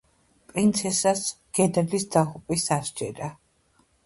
პრინცესას გენერლის დაღუპვის არ სჯერა.